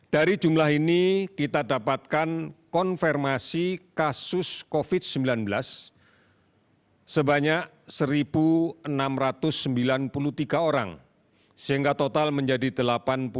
dari jumlah ini kita dapatkan konfirmasi kasus covid sembilan belas sebanyak satu enam ratus sembilan puluh tiga orang sehingga total menjadi delapan puluh delapan dua ratus empat belas orang